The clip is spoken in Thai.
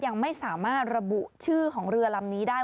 ยังไม่สามารถระบุชื่อของเรือลำนี้ได้